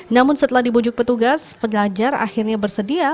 namun setelah dibujuk petugas pelajar akhirnya bersedia